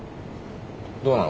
どうなの？